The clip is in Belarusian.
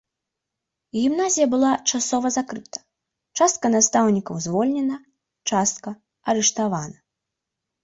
Гімназія была часова закрыта, частка настаўнікаў звольнена, частка арыштавана.